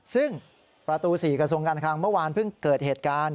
ซึ่งประตู๔กระทรวงการคลังเมื่อวานเพิ่งเกิดเหตุการณ์